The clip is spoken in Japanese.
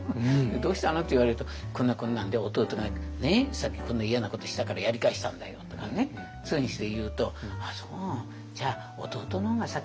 「どうしたの？」って言われると「こんなこんなんで弟がねさっきこんな嫌なことをしたからやり返したんだよ」とかねそういうふうにして言うと「あっそうじゃあ弟の方が先に手を出したの。